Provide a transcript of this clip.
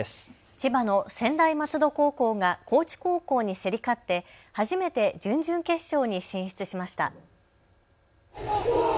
千葉の専大松戸高校が高知高校に競り勝って初めて準々決勝に進出しました。